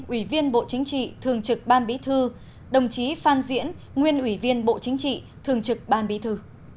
ủy viên bộ chính trị thường trực ban bí thư đồng chí phan diễn nguyên ủy viên bộ chính trị thường trực ban bí thư